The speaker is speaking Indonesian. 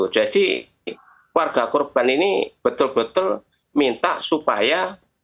warga korban ini betul betul minta supaya